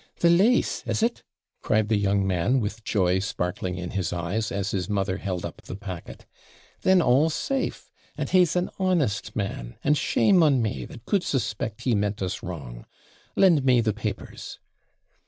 'The LASE! Is it?' cried the young man, with joy sparkling in his eyes, as his mother held up the packet. 'Then all's safe! and he's an honest man, and shame on me, that could suspect he meant us wrong. Lend me the papers.'